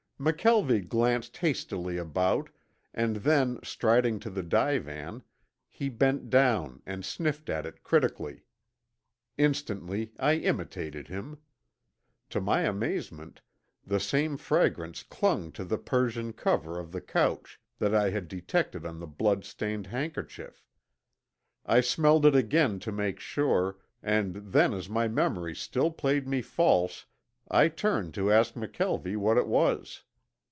McKelvie glanced hastily about and then striding to the divan he bent down and sniffed at it critically. Instantly I imitated him. To my amazement the same fragrance clung to the Persian cover of the couch that I had detected on the blood stained handkerchief. I smelled it again to make sure and then as my memory still played me false I turned to ask McKelvie what it was.